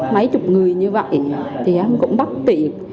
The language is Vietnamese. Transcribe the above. mấy chục người như vậy thì cũng bắt tiền